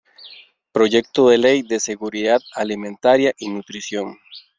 Proyecto de Ley de Seguridad Alimentaria y Nutrición.